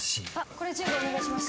これ１０部お願いします。